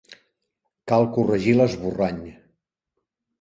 Cal corregir l'esborrany